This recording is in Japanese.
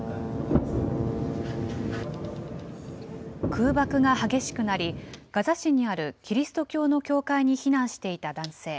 空爆が激しくなり、ガザ市にあるキリスト教の教会に避難していた男性。